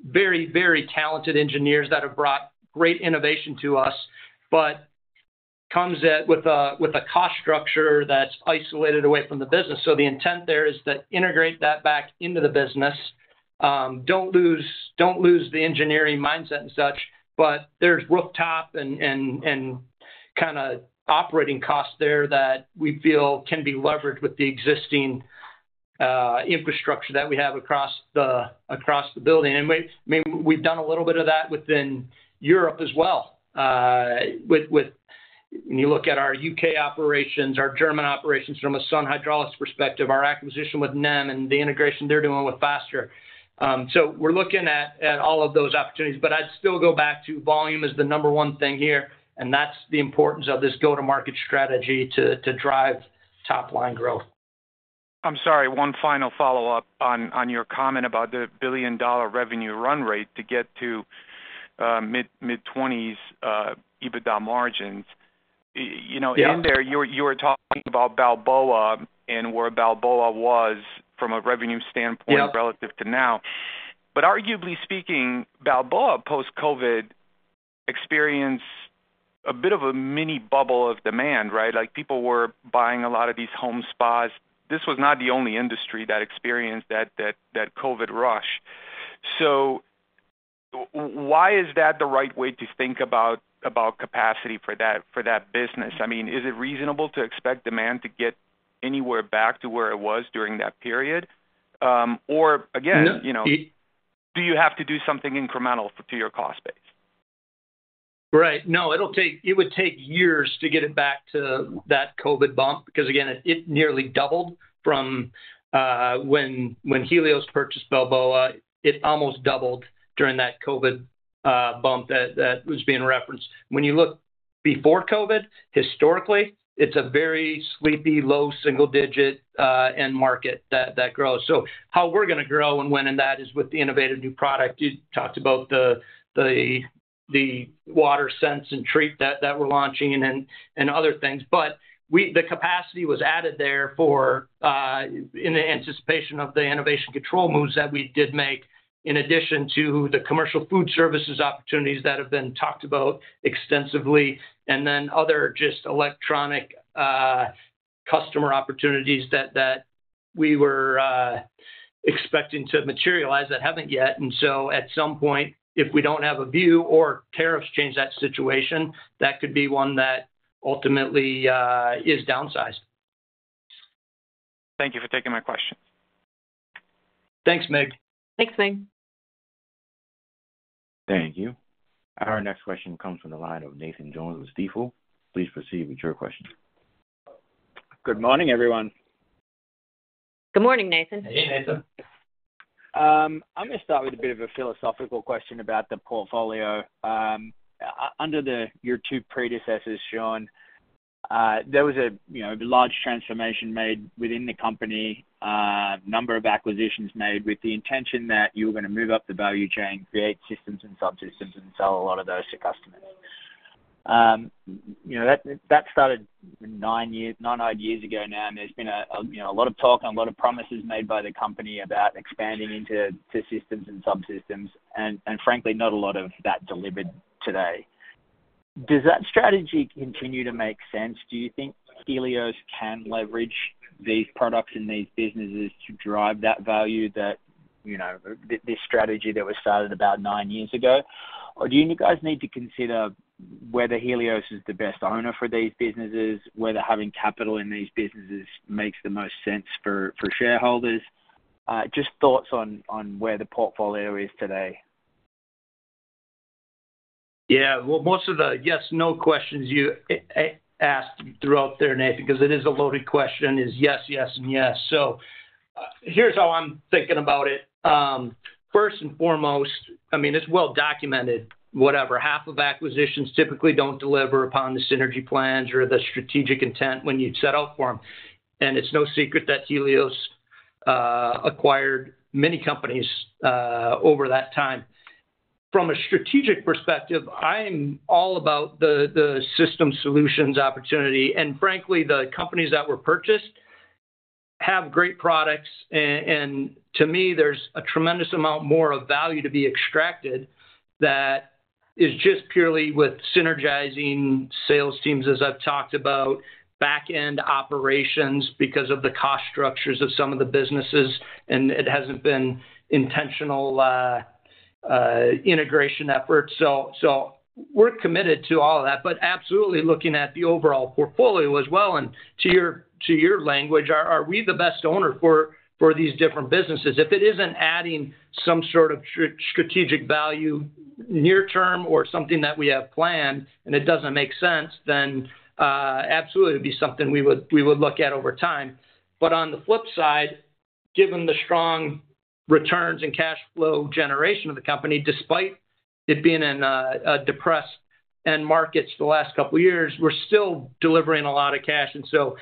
very, very talented engineers that have brought great innovation to us, but comes with a cost structure that's isolated away from the business, so the intent there is to integrate that back into the business. Don't lose the engineering mindset and such, but there's rooftop and kind of operating costs there that we feel can be leveraged with the existing infrastructure that we have across the building, and we've done a little bit of that within Europe as well. When you look at our U.K. operations, our German operations from a Sun Hydraulics perspective, our acquisition with NEM and the integration they're doing with Faster, so we're looking at all of those opportunities. But I'd still go back to volume as the number one thing here. And that's the importance of this go-to-market strategy to drive top-line growth. I'm sorry. One final follow-up on your comment about the billion-dollar revenue run rate to get to mid-20s EBITDA margins. In there, you were talking about Balboa and where Balboa was from a revenue standpoint relative to now. But arguably speaking, Balboa post-COVID experienced a bit of a mini bubble of demand, right? People were buying a lot of these home spas. This was not the only industry that experienced that COVID rush. So why is that the right way to think about capacity for that business? I mean, is it reasonable to expect demand to get anywhere back to where it was during that period? Or again, do you have to do something incremental to your cost base? Right. No, it would take years to get it back to that COVID bump because, again, it nearly doubled from when Helios purchased Balboa. It almost doubled during that COVID bump that was being referenced. When you look before COVID, historically, it's a very sleepy, low single-digit end market that grows. So how we're going to grow and win in that is with the innovative new product. You talked about the water sense and treat that we're launching and other things. But the capacity was added there in anticipation of the Enovation Controls moves that we did make in addition to the commercial food services opportunities that have been talked about extensively, and then other just electronic customer opportunities that we were expecting to materialize that haven't yet. And so at some point, if we don't have a view or tariffs change that situation, that could be one that ultimately is downsized. Thank you for taking my question. Thanks, Mig. Thanks, Mig. Thank you. Our next question comes from the line of Nathan Jones with Stifel. Please proceed with your question. Good morning, everyone. Good morning, Nathan. Hey, Nathan. I'm going to start with a bit of a philosophical question about the portfolio. Under your two predecessors, Sean, there was a large transformation made within the company, a number of acquisitions made with the intention that you were going to move up the value chain, create systems and subsystems, and sell a lot of those to customers. That started nine years ago now, and there's been a lot of talk and a lot of promises made by the company about expanding into systems and subsystems. And frankly, not a lot of that delivered today. Does that strategy continue to make sense? Do you think Helios can leverage these products and these businesses to drive that value, this strategy that was started about nine years ago? Or do you guys need to consider whether Helios is the best owner for these businesses, whether having capital in these businesses makes the most sense for shareholders? Just thoughts on where the portfolio is today. Yeah. Well, most of the yes/no questions you asked throughout there, Nathan, because it is a loaded question, is yes, yes, and yes. So here's how I'm thinking about it. First and foremost, I mean, it's well documented, whatever. Half of acquisitions typically don't deliver upon the synergy plans or the strategic intent when you set out for them. And it's no secret that Helios acquired many companies over that time. From a strategic perspective, I'm all about the system solutions opportunity. And frankly, the companies that were purchased have great products. And to me, there's a tremendous amount more of value to be extracted that is just purely with synergizing sales teams, as I've talked about, back-end operations because of the cost structures of some of the businesses, and it hasn't been intentional integration efforts. So we're committed to all of that, but absolutely looking at the overall portfolio as well. And to your language, are we the best owner for these different businesses? If it isn't adding some sort of strategic value near-term or something that we have planned and it doesn't make sense, then absolutely it would be something we would look at over time. But on the flip side, given the strong returns and cash flow generation of the company, despite it being in a depressed end markets the last couple of years, we're still delivering a lot of cash. And so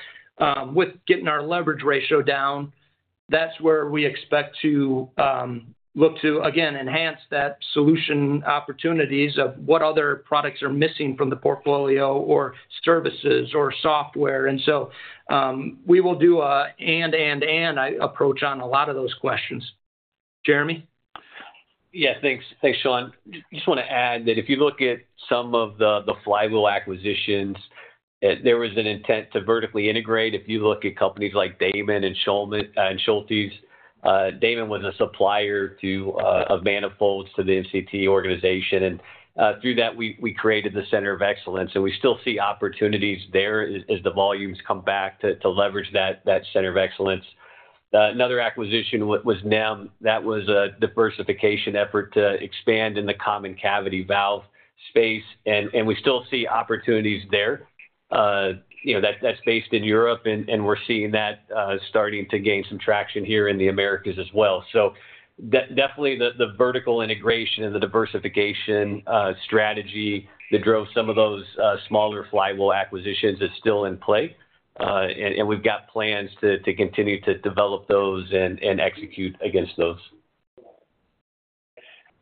with getting our leverage ratio down, that's where we expect to look to, again, enhance that solution opportunities of what other products are missing from the portfolio or services or software. And so we will do an and, and, and approach on a lot of those questions. Jeremy? Yeah. Thanks, Sean. Just want to add that if you look at some of the Flywheel acquisitions, there was an intent to vertically integrate. If you look at companies like Daman and Schultes, Daman was a supplier of manifolds to the MCT organization. And through that, we created the center of excellence. And we still see opportunities there as the volumes come back to leverage that center of excellence. Another acquisition was NEM. That was a diversification effort to expand in the common cavity valve space. And we still see opportunities there. That's based in Europe, and we're seeing that starting to gain some traction here in the Americas as well. So definitely the vertical integration and the diversification strategy that drove some of those smaller Flywheel acquisitions is still in play. And we've got plans to continue to develop those and execute against those.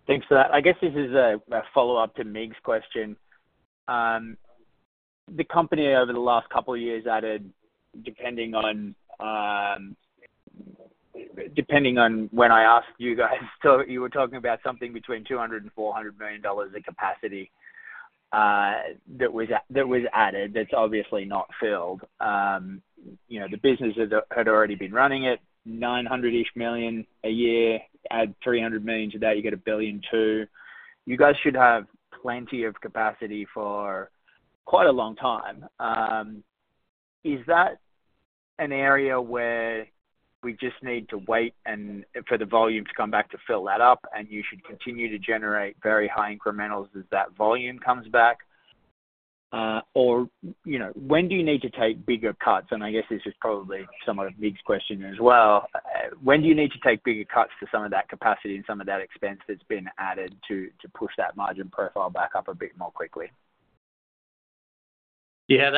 Thanks for that. I guess this is a follow-up to Mig's question. The company, over the last couple of years, added, depending on when I asked you guys, so you were talking about something between $200 million and $400 million in capacity that was added. That's obviously not filled. The business had already been running at $900 million-ish a year. Add $300 million to that, you get $1 billion too. You guys should have plenty of capacity for quite a long time. Is that an area where we just need to wait for the volume to come back to fill that up, and you should continue to generate very high incrementals as that volume comes back? Or when do you need to take bigger cuts? And I guess this is probably somewhat of Mig's question as well. When do you need to take bigger cuts to some of that capacity and some of that expense that's been added to push that margin profile back up a bit more quickly? Yeah.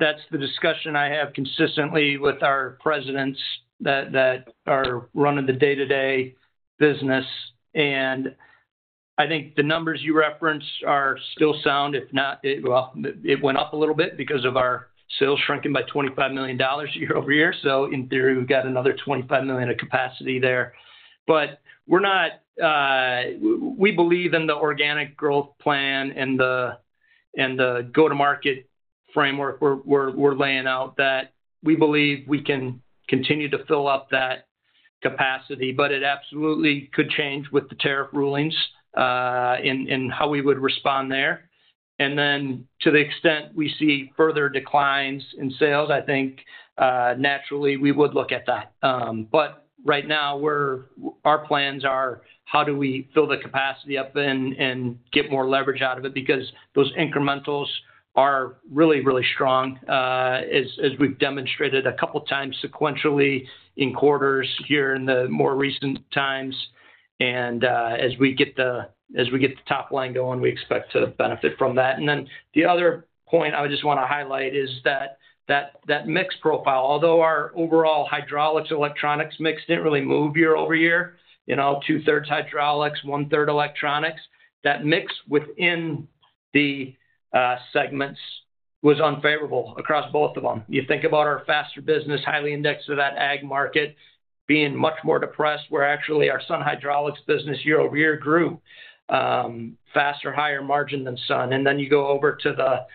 That's the discussion I have consistently with our presidents that are running the day-to-day business. And I think the numbers you referenced are still sound. If not, well, it went up a little bit because of our sales shrinking by $25 million year over year. So in theory, we've got another $25 million of capacity there. But we believe in the organic growth plan and the go-to-market framework we're laying out that we believe we can continue to fill up that capacity. But it absolutely could change with the tariff rulings and how we would respond there. And then to the extent we see further declines in sales, I think naturally we would look at that. But right now, our plans are how do we fill the capacity up and get more leverage out of it because those incrementals are really, really strong as we've demonstrated a couple of times sequentially in quarters here in the more recent times. And as we get the top line going, we expect to benefit from that. And then the other point I would just want to highlight is that mix profile, although our overall hydraulics-electronics mix didn't really move year over year, two-thirds hydraulics, one-third electronics, that mix within the segments was unfavorable across both of them. You think about our Faster business, highly indexed to that ag market, being much more depressed, where actually our Sun Hydraulics business year over year grew Faster, higher margin than Sun. And then you go over to the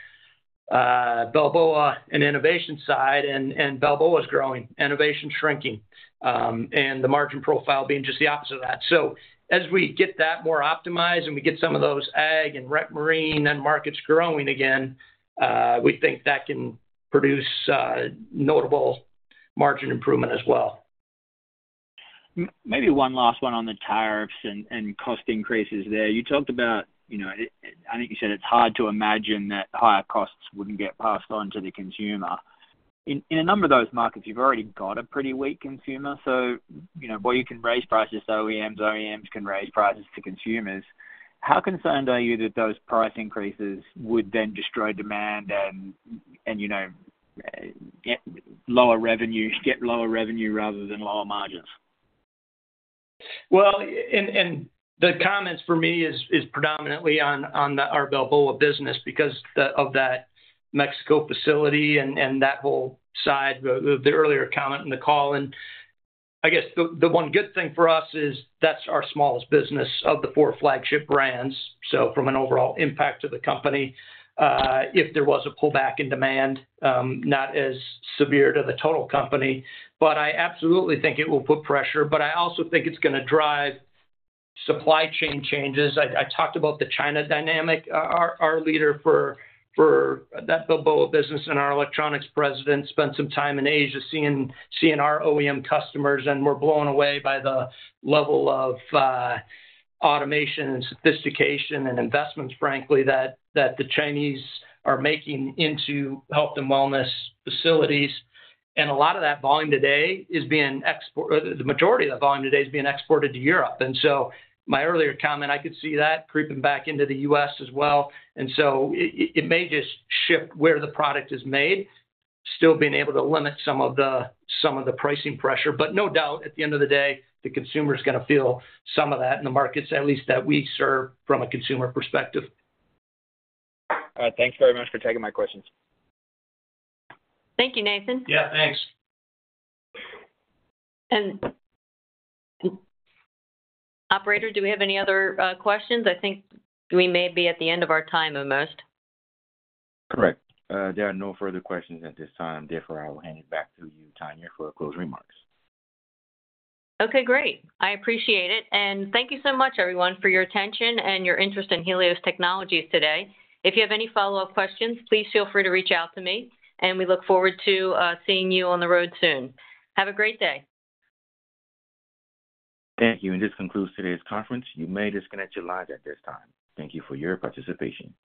Balboa and Enovation side, and Balboa is growing, Enovation shrinking, and the margin profile being just the opposite of that. So as we get that more optimized and we get some of those ag and rec marine end markets growing again, we think that can produce notable margin improvement as well. Maybe one last one on the tariffs and cost increases there. You talked about, I think you said it's hard to imagine that higher costs wouldn't get passed on to the consumer. In a number of those markets, you've already got a pretty weak consumer. So while you can raise prices to OEMs, OEMs can raise prices to consumers. How concerned are you that those price increases would then destroy demand and get lower revenue rather than lower margins? Well, and the comments for me is predominantly on our Balboa business because of that Mexico facility and that whole side, the earlier comment in the call. And I guess the one good thing for us is that's our smallest business of the four flagship brands. So from an overall impact to the company, if there was a pullback in demand, not as severe to the total company. But I absolutely think it will put pressure. But I also think it's going to drive supply chain changes. I talked about the China dynamic. Our leader for that Balboa business and our electronics president spent some time in Asia seeing our OEM customers, and we're blown away by the level of automation and sophistication and investments, frankly, that the Chinese are making into health and wellness facilities. And a lot of that volume today is being exported. The majority of the volume today is being exported to Europe. And so my earlier comment, I could see that creeping back into the U.S. as well. And so it may just shift where the product is made, still being able to limit some of the pricing pressure. But no doubt, at the end of the day, the consumer is going to feel some of that in the markets, at least that we serve from a consumer perspective. All right. Thanks very much for taking my questions. Thank you, Nathan. Yeah, thanks. And operator, do we have any other questions? I think we may be at the end of our time at most. Correct. There are no further questions at this time. Therefore, I will hand it back to you, Tania, for closing remarks. Okay, great. I appreciate it. And thank you so much, everyone, for your attention and your interest in Helios Technologies today. If you have any follow-up questions, please feel free to reach out to me. And we look forward to seeing you on the road soon. Have a great day. Thank you. And this concludes today's conference. You may disconnect your lines at this time. Thank you for your participation.